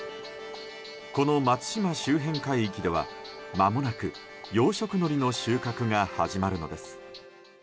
この松山周辺海域ではまもなく養殖のりの収穫が始まるのです。